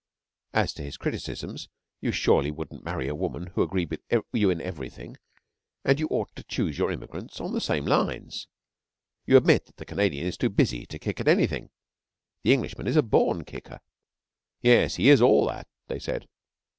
As to his criticisms, you surely wouldn't marry a woman who agreed with you in everything, and you ought to choose your immigrants on the same lines. You admit that the Canadian is too busy to kick at anything. The Englishman is a born kicker. ("Yes, he is all that," they said.)